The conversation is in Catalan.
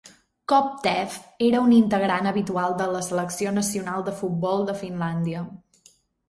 Kopteff era un integrant habitual de la selecció nacional de futbol de Finlàndia.